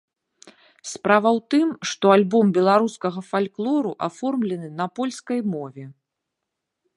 Справа ў тым, што альбом беларускага фальклору аформлены на польскай мове.